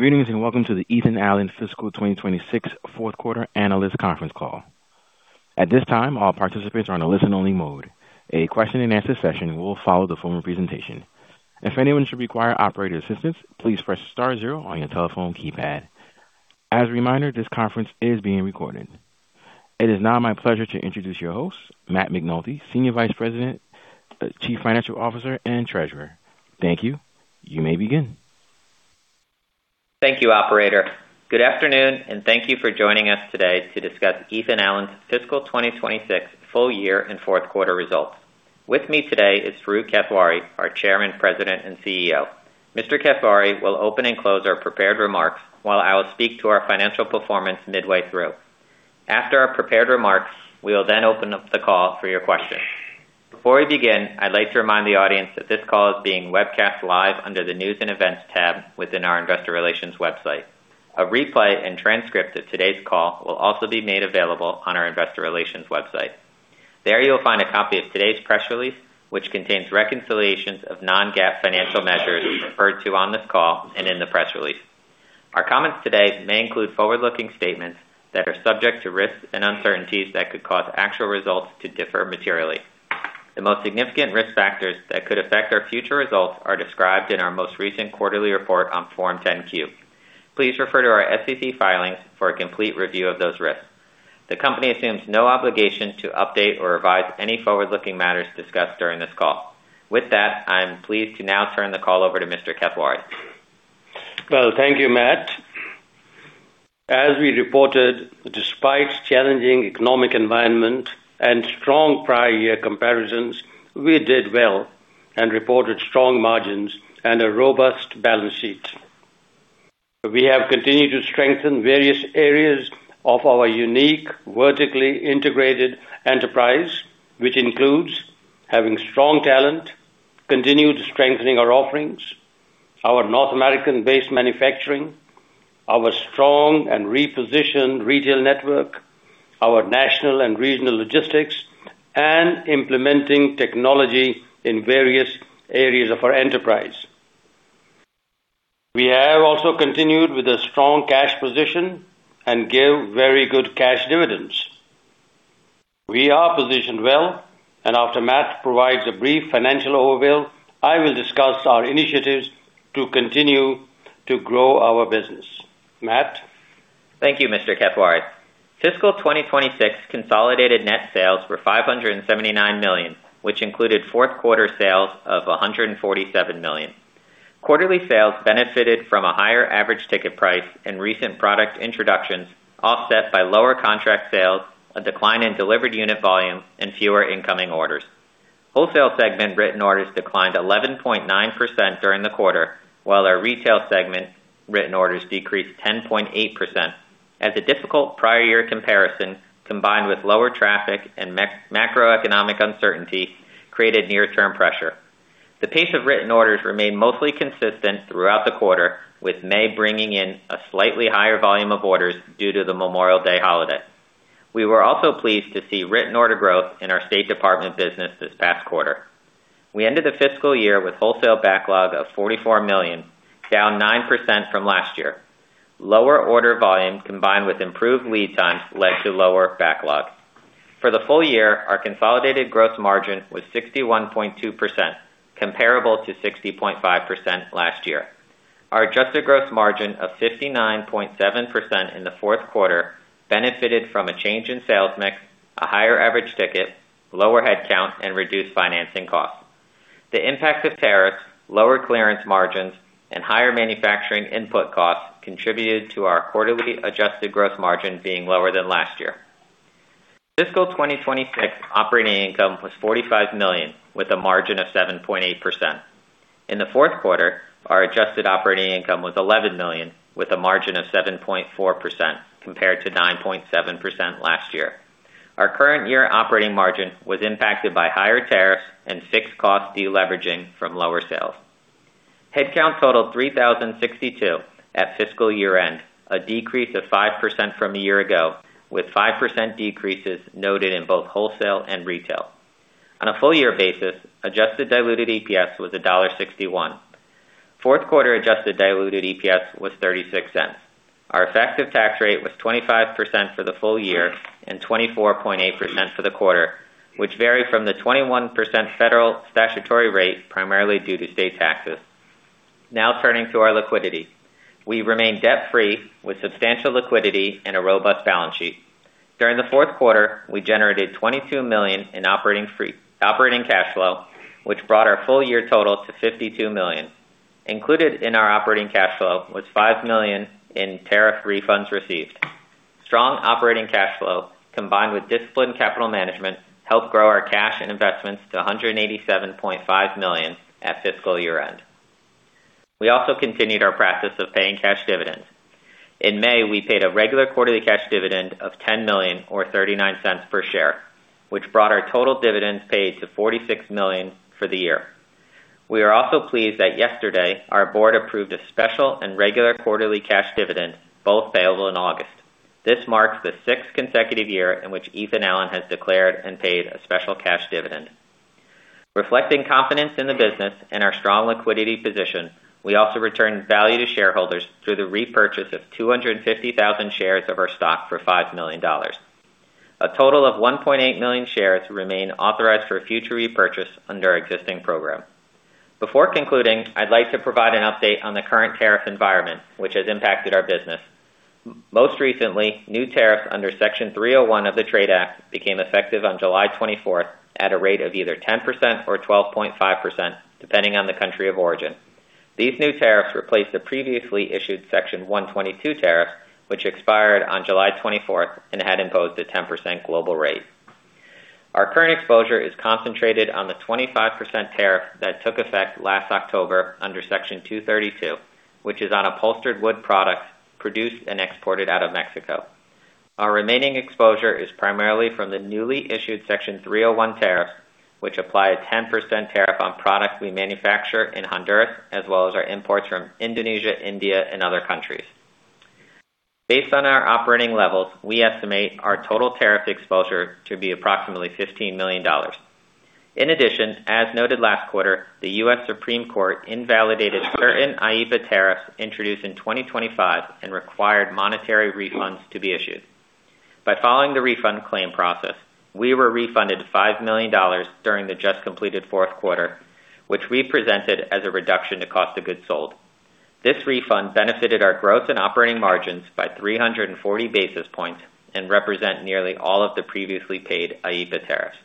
Good evening, and welcome to the Ethan Allen Fiscal 2026 Fourth Quarter Analyst Conference Call. At this time, all participants are on a listen-only mode. A question and answer session will follow the formal presentation. If anyone should require operator assistance, please press star zero on your telephone keypad. As a reminder, this conference is being recorded. It is now my pleasure to introduce your host, Matt McNulty, Senior Vice President, Chief Financial Officer, and Treasurer. Thank you. You may begin. Thank you, Operator. Good afternoon, and thank you for joining us today to discuss Ethan Allen's Fiscal 2026 full year and fourth quarter results. With me today is Farooq Kathwari, our Chairman, President, and CEO. Mr. Kathwari will open and close our prepared remarks, while I will speak to our financial performance midway through. After our prepared remarks, we will then open up the call for your questions. Before we begin, I'd like to remind the audience that this call is being webcast live under the News & Events tab within our investor relations website. A replay and transcript of today's call will also be made available on our investor relations website. There, you'll find a copy of today's press release, which contains reconciliations of non-GAAP financial measures referred to on this call and in the press release. Our comments today may include forward-looking statements that are subject to risks and uncertainties that could cause actual results to differ materially. The most significant risk factors that could affect our future results are described in our most recent quarterly report on Form 10-Q. Please refer to our SEC filings for a complete review of those risks. The company assumes no obligation to update or revise any forward-looking matters discussed during this call. With that, I am pleased to now turn the call over to Mr. Kathwari. Well, thank you, Matt. As we reported, despite challenging economic environment and strong prior year comparisons, we did well and reported strong margins and a robust balance sheet. We have continued to strengthen various areas of our unique vertically integrated enterprise, which includes having strong talent, continued strengthening our offerings, our North American-based manufacturing, our strong and repositioned retail network, our national and regional logistics, and implementing technology in various areas of our enterprise. We have also continued with a strong cash position and give very good cash dividends. We are positioned well, and after Matt provides a brief financial overview, I will discuss our initiatives to continue to grow our business. Matt? Thank you, Mr. Kathwari. Fiscal 2026 consolidated net sales were $579 million, which included fourth quarter sales of $147 million. Quarterly sales benefited from a higher average ticket price and recent product introductions, offset by lower contract sales, a decline in delivered unit volume, and fewer incoming orders. Wholesale segment written orders declined 11.9% during the quarter, while our retail segment written orders decreased 10.8%, as a difficult prior year comparison, combined with lower traffic and macroeconomic uncertainty, created near-term pressure. The pace of written orders remained mostly consistent throughout the quarter, with May bringing in a slightly higher volume of orders due to the Memorial Day holiday. We were also pleased to see written order growth in our State Department business this past quarter. We ended the fiscal year with wholesale backlog of $44 million, down 9% from last year. Lower order volume combined with improved lead times led to lower backlog. For the full year, our consolidated gross margin was 61.2%, comparable to 60.5% last year. Our adjusted gross margin of 59.7% in the fourth quarter benefited from a change in sales mix, a higher average ticket, lower headcount, and reduced financing costs. The impact of tariffs, lower clearance margins, and higher manufacturing input costs contributed to our quarterly adjusted gross margin being lower than last year. Fiscal 2026 operating income was $45 million with a margin of 7.8%. In the fourth quarter, our adjusted operating income was $11 million with a margin of 7.4%, compared to 9.7% last year. Our current year operating margin was impacted by higher tariffs and fixed cost deleveraging from lower sales. Headcount totaled 3,062 at fiscal year-end, a decrease of 5% from a year ago, with 5% decreases noted in both wholesale and retail. On a full-year basis, adjusted diluted EPS was $1.61. Fourth quarter adjusted diluted EPS was $0.36. Our effective tax rate was 25% for the full year and 24.8% for the quarter, which vary from the 21% federal statutory rate, primarily due to state taxes. Now turning to our liquidity. We remain debt-free with substantial liquidity and a robust balance sheet. During the fourth quarter, we generated $22 million in operating cash flow, which brought our full-year total to $52 million. Included in our operating cash flow was $5 million in tariff refunds received. Strong operating cash flow, combined with disciplined capital management, helped grow our cash and investments to $187.5 million at fiscal year-end. We also continued our practice of paying cash dividends. In May, we paid a regular quarterly cash dividend of $10 million or $0.39 per share, which brought our total dividends paid to $46 million for the year. We are also pleased that yesterday our board approved a special and regular quarterly cash dividend, both payable in August. This marks the sixth consecutive year in which Ethan Allen has declared and paid a special cash dividend. Reflecting confidence in the business and our strong liquidity position, we also returned value to shareholders through the repurchase of 250,000 shares of our stock for $5 million. A total of 1.8 million shares remain authorized for future repurchase under our existing program. Before concluding, I'd like to provide an update on the current tariff environment, which has impacted our business. Most recently, new tariffs under Section 301 of the Trade Act became effective on July 24th at a rate of either 10% or 12.5%, depending on the country of origin. These new tariffs replaced the previously issued Section 122 tariffs, which expired on July 24th and had imposed a 10% global rate. Our current exposure is concentrated on the 25% tariff that took effect last October under Section 232, which is on upholstered wood products produced and exported out of Mexico. Our remaining exposure is primarily from the newly issued Section 301 tariffs, which apply a 10% tariff on products we manufacture in Honduras, as well as our imports from Indonesia, India, and other countries. Based on our operating levels, we estimate our total tariff exposure to be approximately $15 million. In addition, as noted last quarter, the U.S. Supreme Court invalidated certain IEPA tariffs introduced in 2025 and required monetary refunds to be issued. By following the refund claim process, we were refunded $5 million during the just completed fourth quarter, which we presented as a reduction to cost of goods sold. This refund benefited our gross and operating margins by 340 basis points and represent nearly all of the previously paid IEPA tariffs.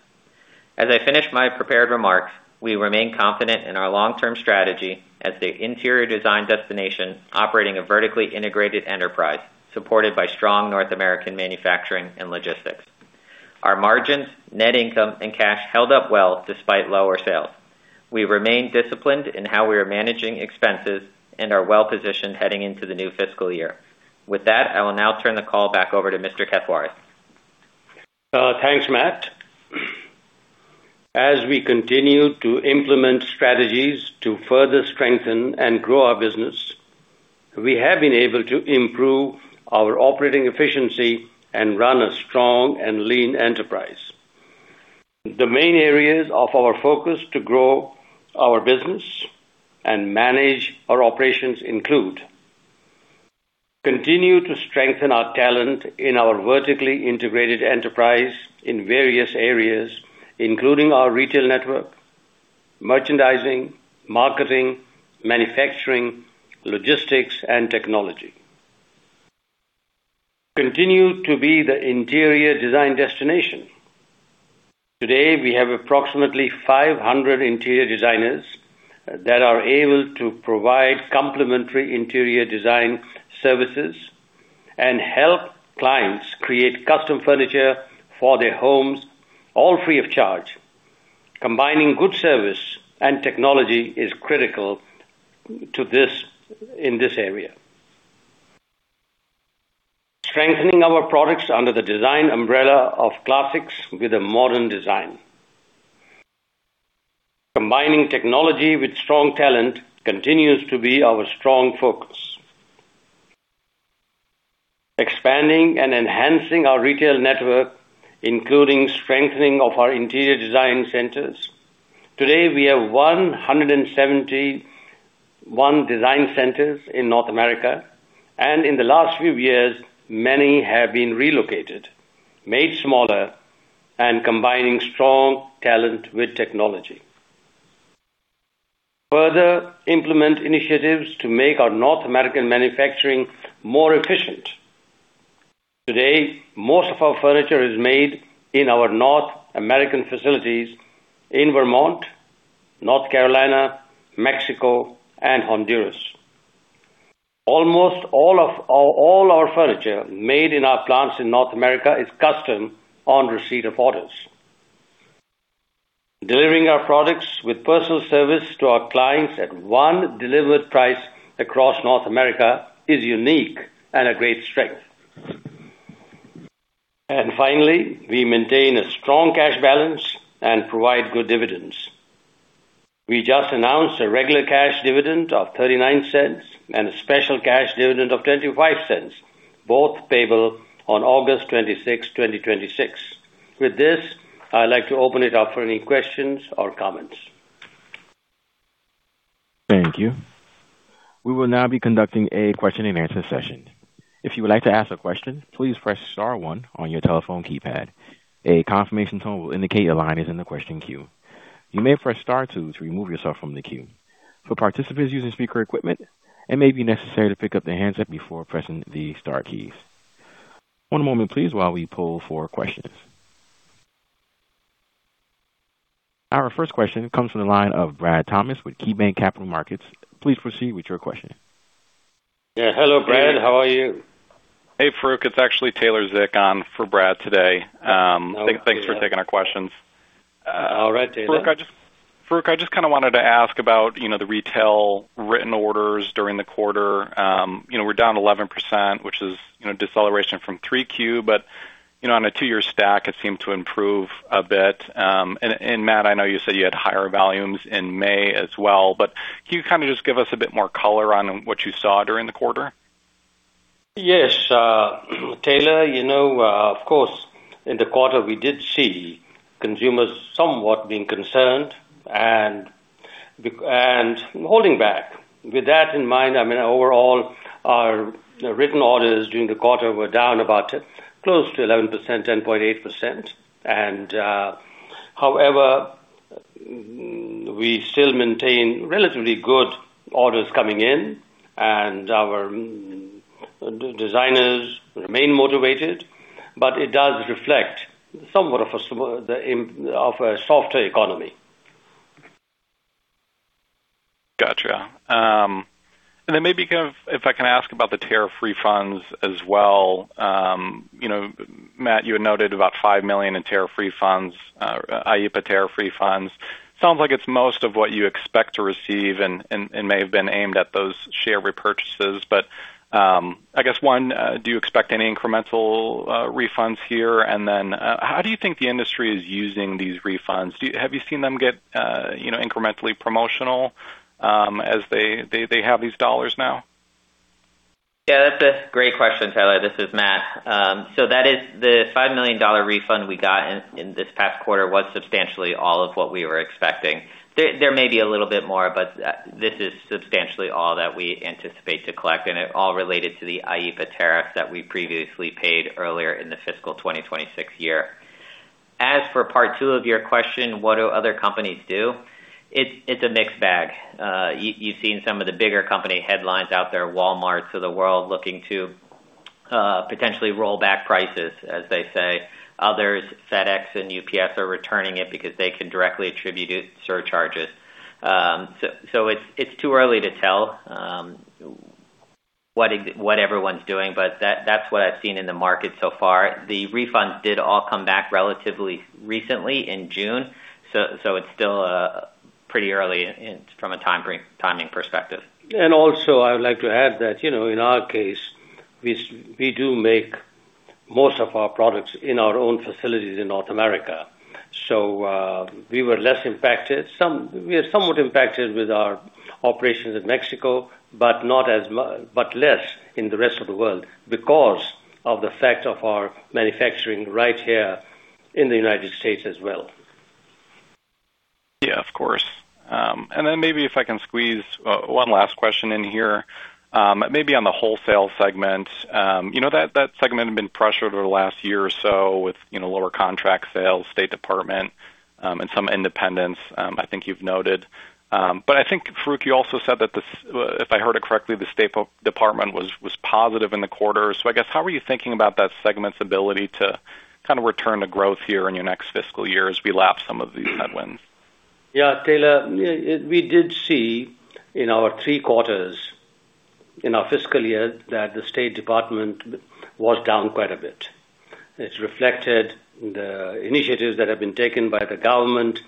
As I finish my prepared remarks, we remain confident in our long-term strategy as the interior design destination operating a vertically integrated enterprise supported by strong North American manufacturing and logistics. Our margins, net income, and cash held up well despite lower sales. We remain disciplined in how we are managing expenses and are well positioned heading into the new fiscal year. With that, I will now turn the call back over to Mr. Kathwari. Thanks, Matt. As we continue to implement strategies to further strengthen and grow our business, we have been able to improve our operating efficiency and run a strong and lean enterprise. The main areas of our focus to grow our business and manage our operations include: continue to strengthen our talent in our vertically integrated enterprise in various areas, including our retail network, merchandising, marketing, manufacturing, logistics, and technology. Continue to be the interior design destination. Today, we have approximately 500 interior designers that are able to provide complimentary interior design services and help clients create custom furniture for their homes, all free of charge. Combining good service and technology is critical in this area. Strengthening our products under the design umbrella of classics with a modern design. Combining technology with strong talent continues to be our strong focus. Expanding and enhancing our retail network, including strengthening of our interior design centers. Today, we have 171 design centers in North America, and in the last few years, many have been relocated, made smaller, and combining strong talent with technology. Further implement initiatives to make our North American manufacturing more efficient. Today, most of our furniture is made in our North American facilities in Vermont, North Carolina, Mexico, and Honduras. Almost all our furniture made in our plants in North America is custom on receipt of orders. Delivering our products with personal service to our clients at one delivered price across North America is unique and a great strength. Finally, we maintain a strong cash balance and provide good dividends. We just announced a regular cash dividend of $0.39 and a special cash dividend of $0.25, both payable on August 26, 2026. With this, I'd like to open it up for any questions or comments. Thank you. We will now be conducting a question and answer session. If you would like to ask a question, please press star one on your telephone keypad. A confirmation tone will indicate your line is in the question queue. You may press star two to remove yourself from the queue. For participants using speaker equipment, it may be necessary to pick up the handset before pressing the star keys. One moment, please, while we pull for questions. Our first question comes from the line of Brad Thomas with KeyBanc Capital Markets. Please proceed with your question. Yeah. Hello, Brad. How are you? Hey, Farooq. It's actually Taylor Zick on for Brad today. Thanks for taking our questions. All right, Taylor. Farooq, I just kind of wanted to ask about the retail written orders during the quarter. We're down 11%, which is deceleration from 3Q, but on a two-year stack, it seemed to improve a bit. Matt, I know you said you had higher volumes in May as well, can you kind of just give us a bit more color on what you saw during the quarter? Yes, Taylor. Of course, in the quarter, we did see consumers somewhat being concerned and holding back. With that in mind, overall, our written orders during the quarter were down about close to 11%, 10.8%. However, we still maintain relatively good orders coming in, our designers remain motivated, it does reflect somewhat of a softer economy. Got you. Maybe, if I can ask about the tariff refunds as well. Matt, you had noted about $5 million in tariff refunds, IEPA tariff refunds. Sounds like it's most of what you expect to receive and may have been aimed at those share repurchases. I guess, one, do you expect any incremental refunds here? How do you think the industry is using these refunds? Have you seen them get incrementally promotional as they have these dollars now? Yeah, that's a great question, Taylor. This is Matt. That is the $5 million refund we got in this past quarter was substantially all of what we were expecting. There may be a little bit more, but this is substantially all that we anticipate to collect, and it all related to the IEPA tariffs that we previously paid earlier in the fiscal 2026 year. As for part two of your question, what do other companies do? It's a mixed bag. You've seen some of the bigger company headlines out there, Walmarts of the world looking to potentially roll back prices, as they say. Others, FedEx and UPS, are returning it because they can directly attribute it to surcharges. It's too early to tell what everyone's doing, but that's what I've seen in the market so far. The refunds did all come back relatively recently in June. It's still pretty early from a timing perspective. I would like to add that, in our case, we do make most of our products in our own facilities in North America. We were less impacted. We are somewhat impacted with our operations in Mexico, but less in the rest of the world because of the fact of our manufacturing right here in the United States as well. Yeah, of course. Maybe if I can squeeze one last question in here. Maybe on the wholesale segment. That segment had been pressured over the last year or so with lower contract sales, State Department, and some independents, I think you've noted. I think, Farooq, you also said that the, if I heard it correctly, the State Department was positive in the quarter. I guess, how are you thinking about that segment's ability to kind of return to growth here in your next fiscal year as we lap some of these headwinds? Yeah, Taylor, we did see in our three quarters in our fiscal year that the State Department was down quite a bit. It's reflected in the initiatives that have been taken by the government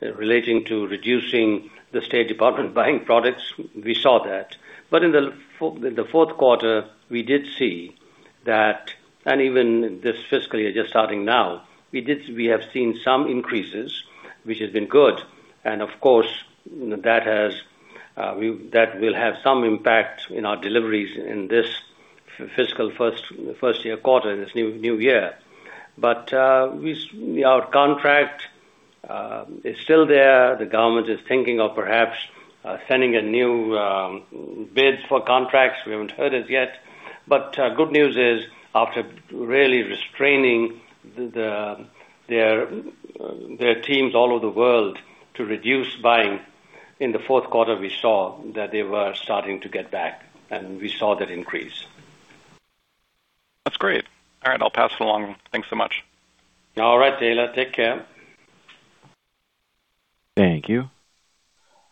relating to reducing the State Department buying products. We saw that. In the fourth quarter, we did see that, and even this fiscal year just starting now, we have seen some increases, which has been good. Of course, that will have some impact in our deliveries in this fiscal first-year quarter in this new year. Our contract is still there. The government is thinking of perhaps sending a new bid for contracts. We haven't heard as yet. Good news is, after really restraining their teams all over the world to reduce buying in the fourth quarter, we saw that they were starting to get back, and we saw that increase. That's great. All right, I'll pass it along. Thanks so much. All right, Taylor. Take care. Thank you.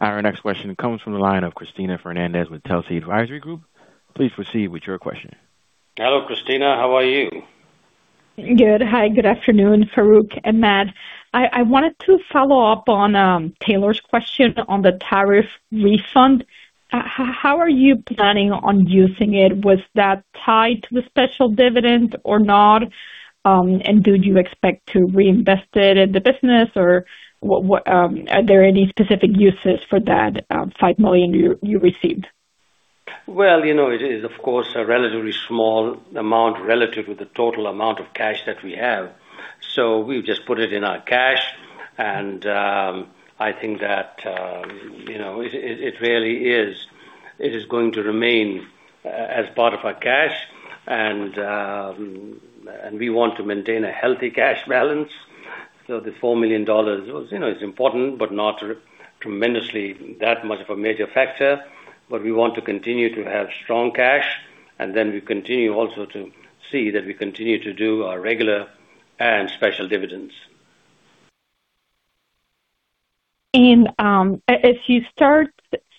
Our next question comes from the line of Cristina Fernández with Telsey Advisory Group. Please proceed with your question. Hello, Cristina. How are you? Good. Hi, good afternoon, Farooq and Matt. I wanted to follow up on Taylor's question on the tariff refund. How are you planning on using it? Was that tied to the special dividend or not? Do you expect to reinvest it in the business, or are there any specific uses for that $5 million you received? Well, it is of course a relatively small amount relative to the total amount of cash that we have. We've just put it in our cash, I think that it really is going to remain as part of our cash. We want to maintain a healthy cash balance. The $4 million is important, not tremendously that much of a major factor. We want to continue to have strong cash, we continue also to see that we continue to do our regular and special dividends. As you start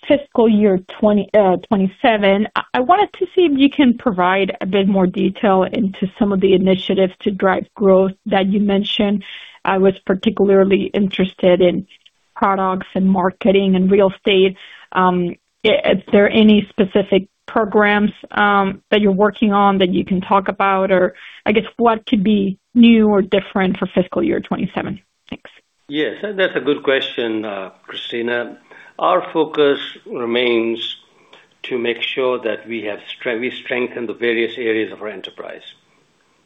fiscal year 2027, I wanted to see if you can provide a bit more detail into some of the initiatives to drive growth that you mentioned. I was particularly interested in products and marketing and real estate. Is there any specific programs that you're working on that you can talk about? I guess what could be new or different for fiscal year 2027? Thanks. Yes, that's a good question, Cristina. Our focus remains to make sure that we strengthen the various areas of our enterprise.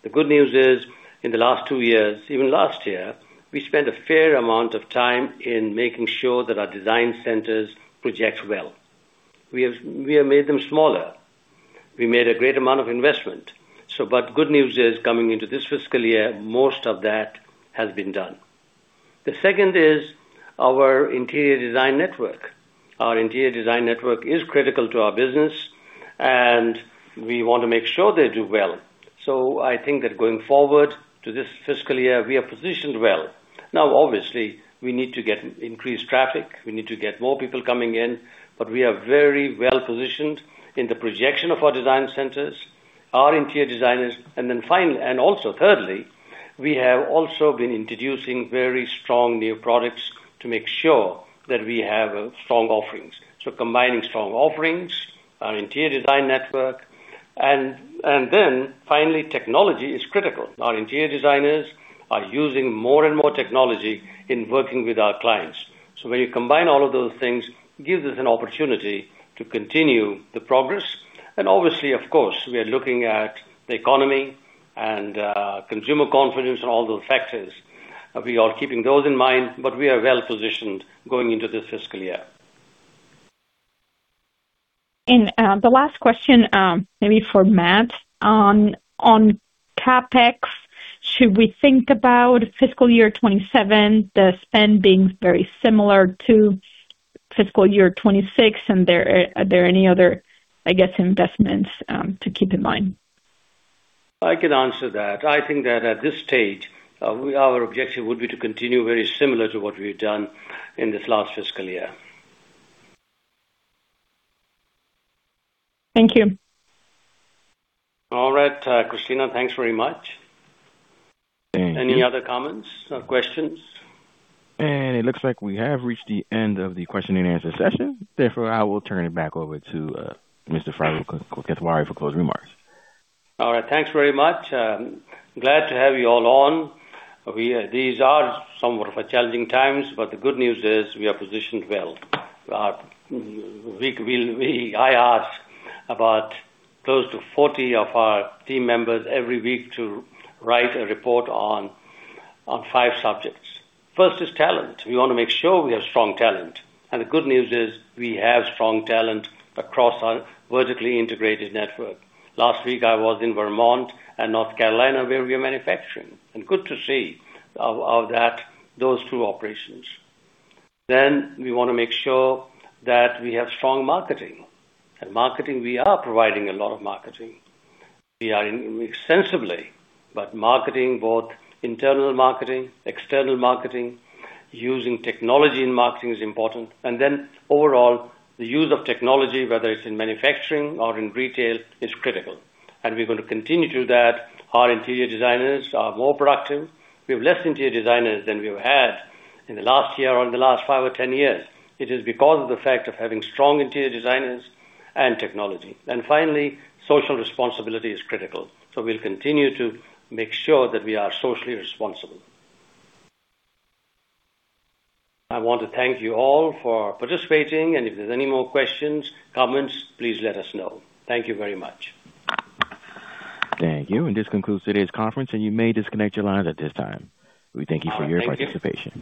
The good news is, in the last two years, even last year, we spent a fair amount of time in making sure that our design centers project well. We have made them smaller. We made a great amount of investment. Good news is, coming into this fiscal year, most of that has been done. The second is our interior design network. Our interior design network is critical to our business, and we want to make sure they do well. I think that going forward to this fiscal year, we are positioned well. Obviously, we need to get increased traffic. We need to get more people coming in. We are very well-positioned in the projection of our design centers, our interior designers. Thirdly, we have also been introducing very strong new products to make sure that we have strong offerings. Combining strong offerings, our interior design network, and then finally, technology is critical. Our interior designers are using more and more technology in working with our clients. When you combine all of those things, gives us an opportunity to continue the progress. Obviously, of course, we are looking at the economy and consumer confidence and all those factors. We are keeping those in mind, but we are well-positioned going into this fiscal year. The last question, maybe for Matt. On CapEx, should we think about fiscal year 2027, the spend being very similar to fiscal year 2026? Are there any other, I guess, investments to keep in mind? I can answer that. I think that at this stage, our objective would be to continue very similar to what we've done in this last fiscal year. Thank you. All right, Cristina, thanks very much. Thank you. Any other comments or questions? It looks like we have reached the end of the question and answer session. Therefore, I will turn it back over to Farooq Kathwari for closing remarks. All right. Thanks very much. Glad to have you all on. These are somewhat of challenging times, but the good news is we are positioned well. I ask about close to 40 of our team members every week to write a report on five subjects. First is talent. We want to make sure we have strong talent. The good news is we have strong talent across our vertically integrated network. Last week I was in Vermont and North Carolina, where we are manufacturing, good to see those two operations. We want to make sure that we have strong marketing. Marketing, we are providing a lot of marketing. Marketing, both internal marketing, external marketing, using technology in marketing is important. Overall, the use of technology, whether it's in manufacturing or in retail, is critical. We're going to continue to do that. Our interior designers are more productive. We have less interior designers than we've had in the last year or in the last five or 10 years. It is because of the fact of having strong interior designers and technology. Finally, social responsibility is critical. We'll continue to make sure that we are socially responsible. I want to thank you all for participating, and if there's any more questions, comments, please let us know. Thank you very much. Thank you. This concludes today's conference. You may disconnect your lines at this time. We thank you for your participation.